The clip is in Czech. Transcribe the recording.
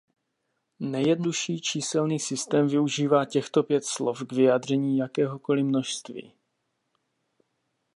Nejjednodušší číselný systém využívá těchto pět slov k vyjádření jakéhokoli množství.